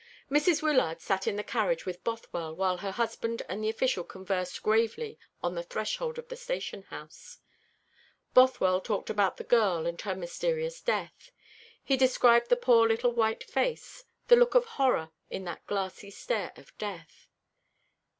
Mrs. Wyllard sat in the carriage with Bothwell, while her husband and the official conversed gravely on the threshold of the station house. Bothwell talked about the girl and her mysterious death. He described the poor little white face, the look of horror in that glassy stare of death.